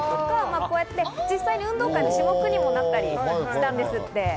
実際に運動会の種目にもなったりしたんですって。